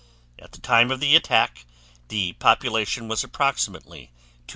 At the time of the attack the population was approximately 255,000.